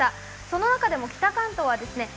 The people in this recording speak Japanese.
その中でも北関東はですね